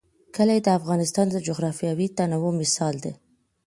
کلي د افغانستان د جغرافیوي تنوع مثال دی.